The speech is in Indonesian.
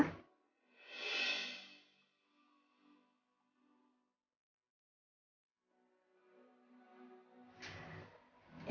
ia suka main main disini